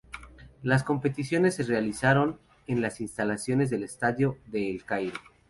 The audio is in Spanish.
Las competiciones se realizaron en las instalaciones del Estadio de El Cairo.